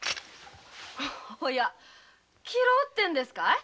おや切ろうってんですかい？